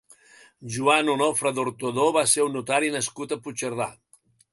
Joan Onofre d'Ortodó va ser un notari nascut a Puigcerdà.